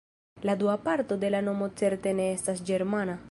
La dua parto de la nomo certe ne estas ĝermana.